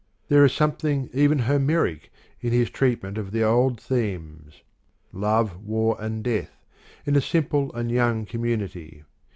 There is some thing even Homeric in his treatment of the old themes, Love, War, and Death, in a simple and young com munity.